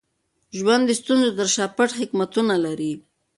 ژوند د ستونزو تر شا پټ حکمتونه لري.